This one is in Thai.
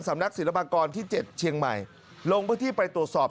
สำนักศิลปากรที่๗เชียงใหม่ลงพื้นที่ไปตรวจสอบ